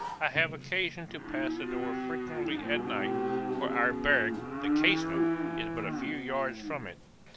I have occasion to pass the door frequently at night, for our barrack, (the Casement,) is but a few yards from it.